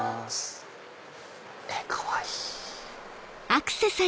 かわいい！